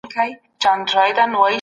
سم نیت ستونزي نه خپروي.